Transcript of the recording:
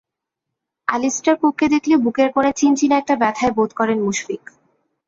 Allister কুককে দেখলে বুকের কোণে চিনচিনে একটা ব্যথাই বোধ করেন মুশফিক।